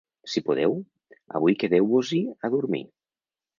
Si podeu, avui quedeu-vos-hi a dormir.